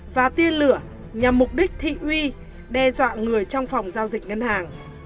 và tiên lửa nhằm mục đích thị uy đe dọa người trong phòng giao dịch ngân hàng